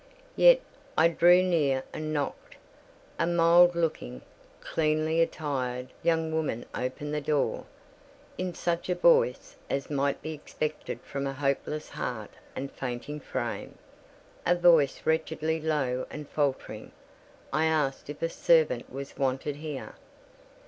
Yet I drew near and knocked. A mild looking, cleanly attired young woman opened the door. In such a voice as might be expected from a hopeless heart and fainting frame—a voice wretchedly low and faltering—I asked if a servant was wanted here?